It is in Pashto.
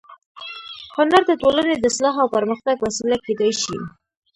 هنر د ټولنې د اصلاح او پرمختګ وسیله کېدای شي